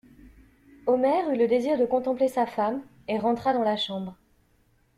Omer eut le désir de contempler sa femme, et rentra dans la chambre.